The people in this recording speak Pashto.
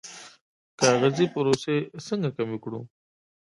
کاغذي پروسې څنګه کمې کړو؟